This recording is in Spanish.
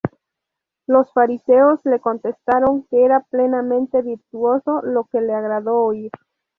Los fariseos le contestaron que era plenamente virtuoso, lo que le agradó oír.